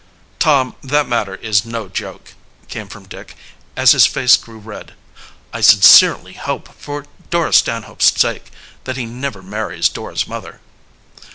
"Tom, that matter is no joke," came from Dick, as his face grew red. "I sincerely hope, for Dora Stanhope's sake, that he never marries, Dora's mother."